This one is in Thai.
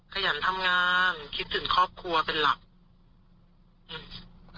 ขยันทำงานคิดถึงครอบครัวเป็นหลักอืม